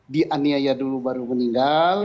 di aniaya dulu baru meninggal